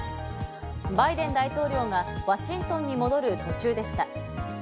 バイデン大統領がワシントンに戻る途中でした。